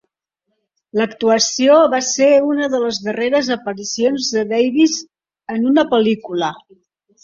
L'actuació va ser una de les darreres aparicions de Davis en una pel·lícula.